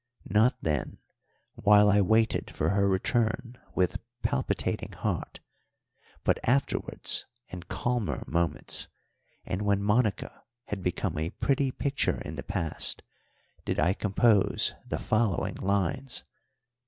Not then, while I waited for her return with palpitating heart, but afterwards in calmer moments, and when Monica had become a pretty picture in the past, did I compose the following lines.